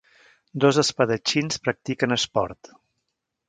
Dos espadatxins practiquen esport.